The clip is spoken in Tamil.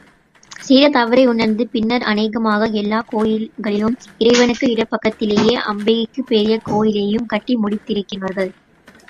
செய்த தவறை உணர்ந்து பின்னர் அநேகமாக எல்லாக் கோயில்களிலும் இறைவனுக்கு இடப்பக்கத்திலேயே அம்பிகைக்குப் பெரிய கோயிலையும் கட்டி முடித்திருக்கிறார்கள்.